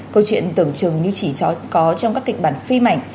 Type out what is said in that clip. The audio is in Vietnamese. câu chuyện tưởng chừng như chỉ có trong các kịch bản phim ảnh